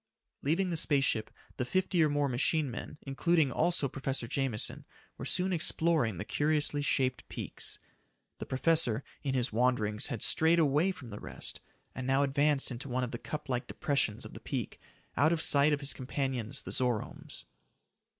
Leaving the space ship, the fifty or more machine men, including also Professor Jameson, were soon exploring the curiously shaped peaks. The professor, in his wanderings had strayed away from the rest, and now advanced into one of the cup like depressions of the peak, out of sight of his companions, the Zoromes.